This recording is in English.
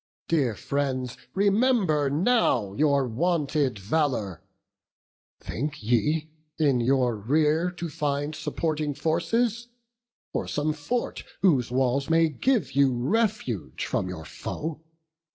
dear friends, remember now Your wonted valour! think ye in your rear To find supporting forces, or some fort Whose walls may give you refuge from your foe?